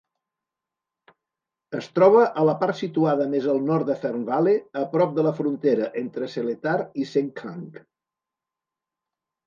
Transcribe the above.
Es troba a la part situada més al nord de Fernvale, a prop de la frontera entre Seletar i Sengkang.